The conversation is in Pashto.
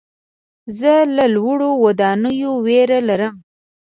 زه له لوړو ودانیو ویره لرم.